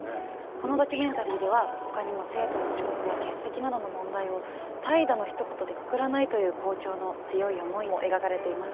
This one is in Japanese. このドキュメンタリーではほかにも生徒の遅刻や欠席などの問題を「怠惰」のひと言でくくらないという校長の強い思いも描かれています。